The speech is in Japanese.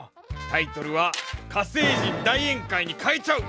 タイトルは「火星人大宴会」に変えちゃう！